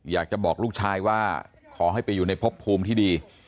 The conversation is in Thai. อยากจะบอกลูกชายว่าขอให้ไปอยู่ในพบภูมิที่ดี